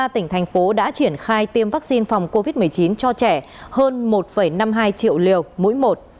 tỉnh thành phố đã triển khai tiêm vaccine phòng covid một mươi chín cho trẻ hơn một năm mươi hai triệu liều mũi một